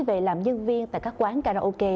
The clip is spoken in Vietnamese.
về làm nhân viên tại các quán karaoke